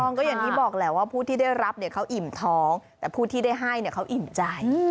ก็อย่างที่บอกแหละว่าผู้ที่ได้รับเนี่ยเขาอิ่มท้องแต่ผู้ที่ได้ให้เนี่ยเขาอิ่มใจ